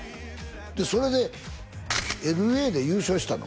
それでＬＡで優勝したの？